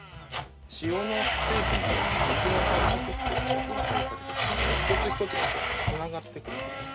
塩の成分で肉のたんぱく質が分解されて粒の一つ一つがつながってくるんですね。